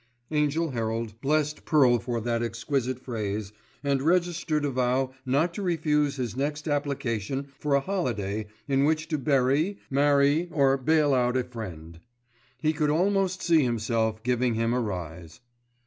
Angell Herald blessed Pearl for that exquisite phrase, and registered a vow not to refuse his next application for a holiday in which to bury, marry or bail out a friend. He could almost see himself giving him a rise.